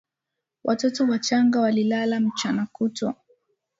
Watoto wachanga walilala mchana kutwa.